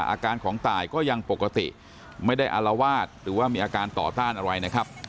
อาการของตายก็ยังปกติไม่ได้อารวาสหรือว่ามีอาการต่อต้านอะไรนะครับ